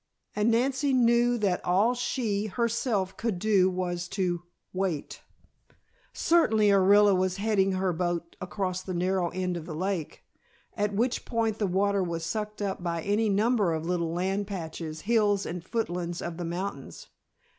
And Nancy knew that all she, herself, could do was to wait! Certainly Orilla was heading her boat across the narrow end of the lake, at which point the water was sucked up by any number of little land patches, hills and foothills of the mountains.